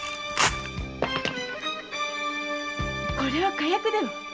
これは火薬では？